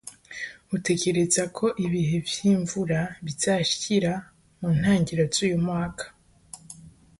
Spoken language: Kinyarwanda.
utekereza ko ibihe by'imvura bizashyira mu ntangiriro z'uyu mwaka